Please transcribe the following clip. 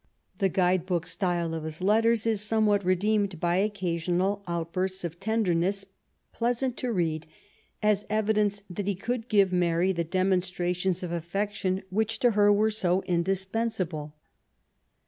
The guide book style of his letters is somewhat redeemed by occasional outbursts of tenderness, pleasant to read as evidences that he could give Mary the demonstrations of affection which to her were so indispensable.